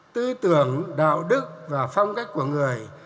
tư tưởng đạo đức và phong cách của người